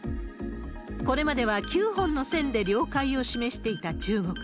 これまでは９本の線で領海を示していた中国。